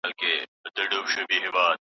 د بل چا موندنه په خپل نوم مه خپروئ.